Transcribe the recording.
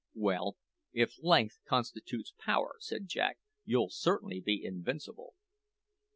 "Well, if length constitutes power," said Jack, "you'll certainly be invincible."